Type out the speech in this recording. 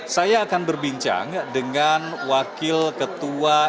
saya akan berbincang dengan wakil ketua